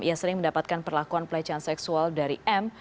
ia sering mendapatkan perlakuan pelecehan seksual dari m